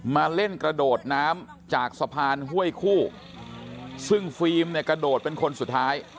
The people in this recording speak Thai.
มาเล่นกระโดดน้ำจากสะพานห้วยคู่ซึ่งฟิล์มเนี่ยกระโดดเป็นคนสุดท้าย